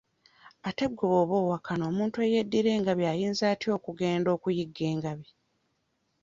Ate gwe bw'oba owakana omuntu ey'eddira engabi ayinza atya okugenda okuyigga engabi?